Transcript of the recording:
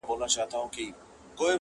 په زړه سخت ظالمه یاره سلامي ولاړه ومه-